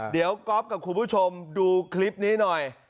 เดี๋ยวก๊อฟกับคุณผู้ชมดูคลิปนี้หน่อย